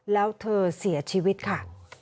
แล้วเธอเสียชีวิตค่ะ